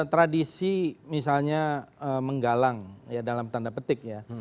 tradisi misalnya menggalang ya dalam tanda petik ya